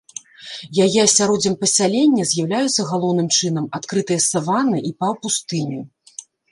Яе асяроддзем пасялення з'яўляюцца галоўным чынам адкрытыя саваны і паўпустыні.